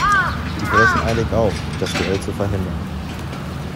Die brechen eilig auf, das Duell zu verhindern.